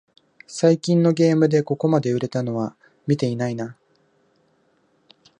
最近のゲームでここまで売れたのは見てないな